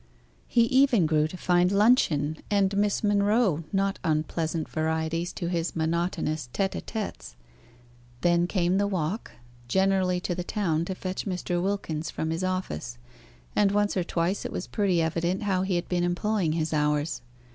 He even grew to find luncheon and Miss Monro not unpleasant varieties to his monotonous tete a tetes. Then came the walk, generally to the town to fetch Mr. Wilkins from his office; and once or twice it was pretty evident how he had been employing his hours.